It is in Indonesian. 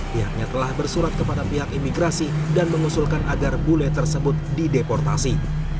pihaknya telah bersurat kepada pihak imigrasi dan mengusulkan agar bule tersebut dideportasi